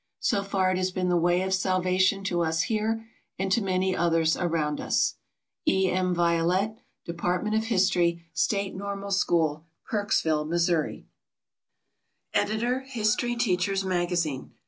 So far it has been the way of salvation to us here and to many others around us. E. M. VIOLETTE. Department of History, State Normal School, Kirksville, Mo. Editor HISTORY TEACHER'S MAGAZINE.